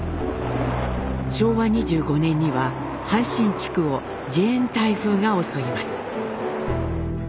昭和２５年には阪神地区をジェーン台風が襲います。